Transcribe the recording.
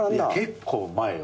結構前よ。